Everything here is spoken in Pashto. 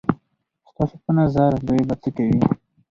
ستاسو په نظر دوی به څه کوي؟